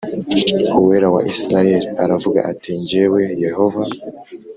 Uwera wa Isirayeli aravuga ati jyewe Yehova